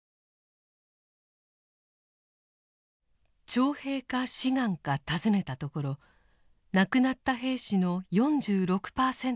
徴兵か志願か尋ねたところ亡くなった兵士の４６％が「志願」でした。